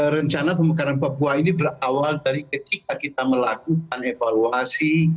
rencana pemekaran papua ini berawal dari ketika kita melakukan evaluasi